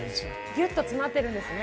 ぎゅっと詰まってるんですね。